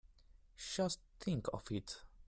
Just think of it!